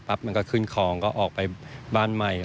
มันก็ขึ้นคลองก็ออกไปบ้านใหม่